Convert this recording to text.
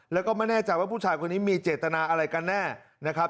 แล้วก็ไม่แน่ใจว่าผู้ชายคนนี้มีเจตนาอะไรกันแน่นะครับ